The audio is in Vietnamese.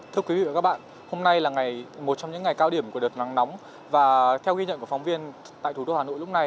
thưa quý vị và các bạn hôm nay là một trong những ngày cao điểm của đợt nắng nóng và theo ghi nhận của phóng viên tại thủ đô hà nội lúc này